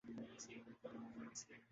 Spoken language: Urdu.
جب کہ ٹیسٹ کرکٹ